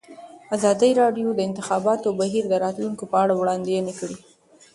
ازادي راډیو د د انتخاباتو بهیر د راتلونکې په اړه وړاندوینې کړې.